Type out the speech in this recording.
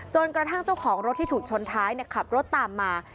กระทั่งเจ้าของรถที่ถูกชนท้ายขับรถตามมา